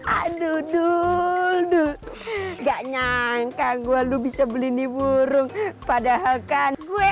aduh duduk gak nyangka gua lu bisa beli nih burung padahal kan gue